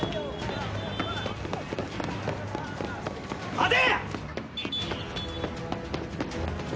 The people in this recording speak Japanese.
待て！